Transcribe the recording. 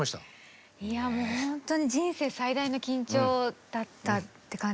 もう本当に人生最大の緊張だったって感じですね。